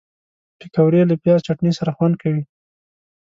پکورې له پیاز چټني سره خوند کوي